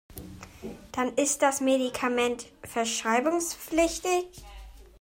Dann ist das Medikament verschreibungspflichtig.